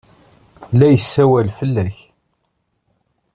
La yessawal fell-ak.